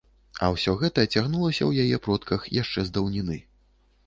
А ўсё гэта цягнулася ў яе продках яшчэ з даўніны.